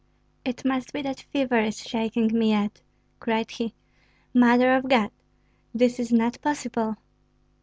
It must be that fever is shaking me yet," cried he. "Mother of God, this is not possible!"